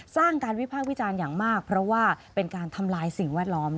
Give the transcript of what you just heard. สร้างการวิพากษ์วิจารณ์อย่างมากเพราะว่าเป็นการทำลายสิ่งแวดล้อม